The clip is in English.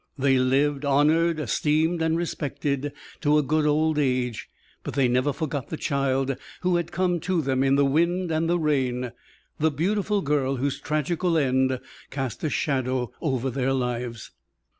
They lived honored, esteemed, and respected to a good old age; but they never forgot the child who had come to them in the wind and the rain the beautiful girl whose tragical end cast a shadow over their lives.